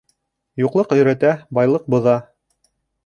Юҡлыҡ өйрәтә, байлыҡ боҙа.